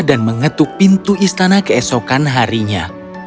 dan dia mengetuk pintu istana keesokan harinya